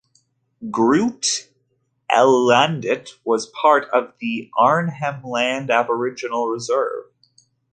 Groote Eylandt is part of the Arnhem Land Aboriginal Reserve.